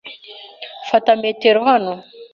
Fata metero hano.